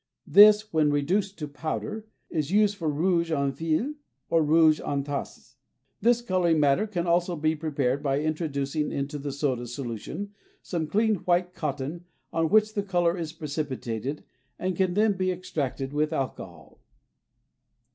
This, when reduced to powder, is used for rouge en feuilles or rouge en tasses. This coloring matter can also be prepared by introducing into the soda solution some clean white cotton on which the color is precipitated and can then be extracted with alcohol.